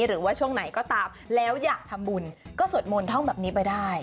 หรือว่าช่วงไหนก็ตามแล้วอยากทำบุญก็สวดมนต์ท่องแบบนี้ไปได้